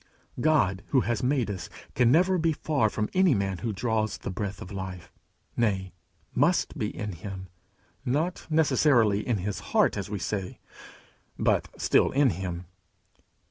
God who has made us can never be far from any man who draws the breath of life nay, must be in him; not necessarily in his heart, as we say, but still in him.